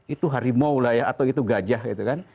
itu harimau lah ya atau itu gajah gitu kan